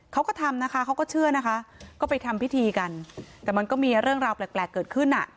เขาก็ทำนะคะเขาก็เชื่อนะคะก็ไปทำพิธีกันแต่มันก็มีเรื่องราวแปลกเกิดขึ้นอ่ะ